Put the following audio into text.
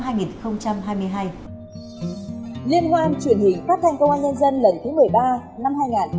liên hoan truyền hình phát thanh công an nhân dân lần thứ một mươi ba năm hai nghìn hai mươi ba